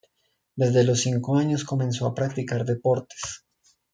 Desde los cinco años comenzó a practicar deportes.